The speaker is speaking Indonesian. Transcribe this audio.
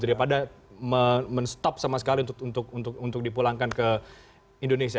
dan juga kita tidak bisa men stop sama sekali untuk dipulangkan ke indonesia